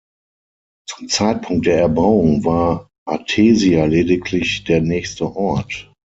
Zum Zeitpunkt der Erbauung war Artesia lediglich der nächste Ort.